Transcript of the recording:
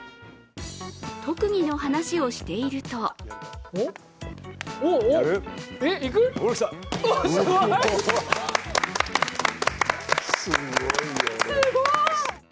特技の話をしているとすんごいよね。